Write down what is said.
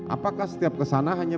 apakah setiap ke sana hanya